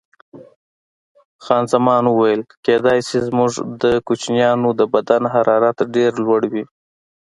خان زمان وویل: کېدای شي، زموږ د کوچنیانو د بدن حرارت ډېر لوړ وي.